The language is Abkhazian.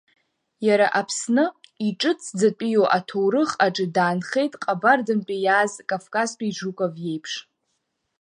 Иара Аԥсны иҿыцӡатәиу аҭорухы аҿы даанхеит Ҟабардантәи иааз кавказтәи Жуков иеиԥш.